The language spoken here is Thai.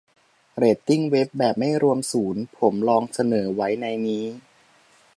เรตติ้งเว็บ แบบไม่รวมศูนย์ ? ผมลองเสนอไว้ในนี้